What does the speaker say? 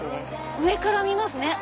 上から見ますね。